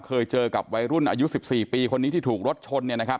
เคยเจอกับวัยรุ่นอายุ๑๔ปีคนนี้ที่ถูกรถชนเนี่ยนะครับ